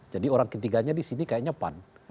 jadi orang ketiganya disini kayaknya pan